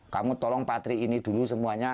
kamu tolong patri ini dulu semuanya